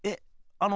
あの？